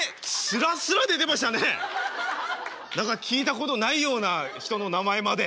何か聞いたことないような人の名前まで。